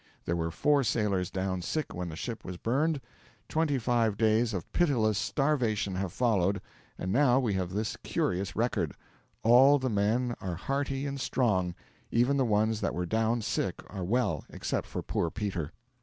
There were four sailors down sick when the ship was burned. Twenty five days of pitiless starvation have followed, and now we have this curious record: 'All the men are hearty and strong; even the ones that were down sick are well, except poor Peter.'